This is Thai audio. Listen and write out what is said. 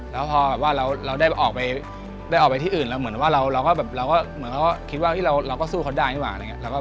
แล้วพอเราได้ออกไปที่อื่นแล้วเหมือนว่าเราคิดว่าเราก็สู้เขาได้ไม่ว่า